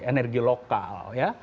energi lokal ya